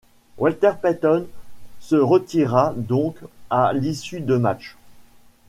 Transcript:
Walter Payton se retira donc à l'issue de match.